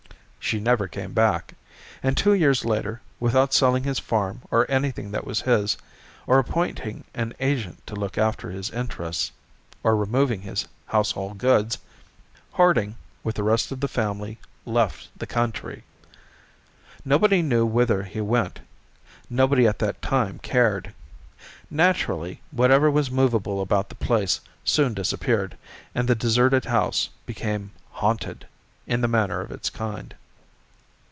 She never came back, and two years later, without selling his farm or anything that was his, or appointing an agent to look after his interests, or removing his household goods, Harding, with the rest of the family, left the country. Nobody knew whither he went; nobody at that time cared. Naturally, whatever was movable about the place soon disappeared and the deserted house became "haunted" in the manner of its kind.